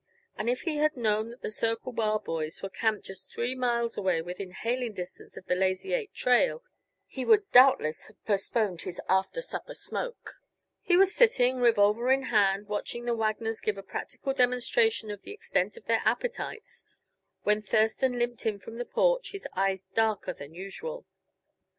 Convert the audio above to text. And if he had known that the Circle Bar boys were camped just three miles away within hailing distance of the Lazy Eight trail, he would doubtless have postponed his after supper smoke. He was sitting, revolver in hand, watching the Wagners give a practical demonstration of the extent of their appetites, when Thurston limped in from the porch, his eyes darker than usual.